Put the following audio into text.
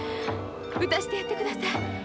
打たしてやってください。